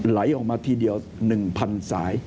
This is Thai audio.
ไหลออกมาทีเดียวหนึ่งพันสาย